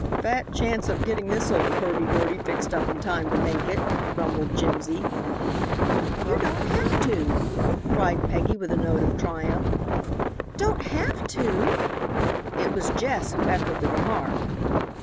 "Fat chance of getting this old hurdy gurdy fixed up in time to make it," grumbled Jimsy. "You don't have to," cried Peggy, with a note of triumph. "Don't have to!" It was Jess who echoed the remark.